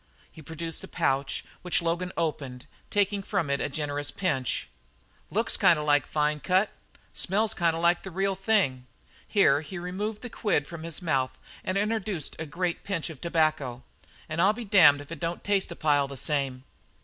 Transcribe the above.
He produced a pouch which Logan opened, taking from it a generous pinch. "Looks kind of like fine cut smells kind of like the real thing" here he removed the quid from his mouth and introduced the great pinch of tobacco "an' I'll be damned if it don't taste a pile the same!"